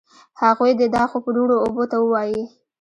هغوی دي دا خوب روڼو اوبو ته ووایي